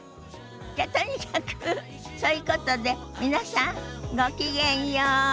じゃとにかくそういうことで皆さんごきげんよう。